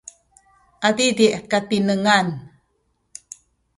adidi’ katinengan